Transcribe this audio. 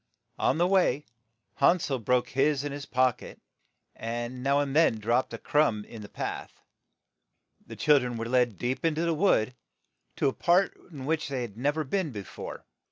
On the way, Han sel broke his in his pock et, and now and then dropped a crumb on the path. The chil dren were led deep in to the wood, to a part in which they had nev er been be fore.